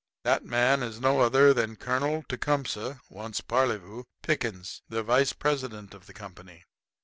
That man is no other than Colonel Tecumseh (once "Parleyvoo") Pickens, the vice president of the company.